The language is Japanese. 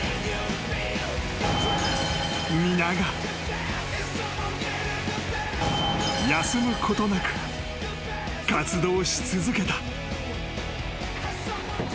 ［皆が休むことなく活動し続けた］